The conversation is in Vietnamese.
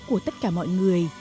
của tất cả mọi người